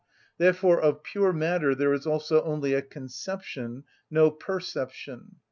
Therefore of pure matter there is also only a conception, no perception.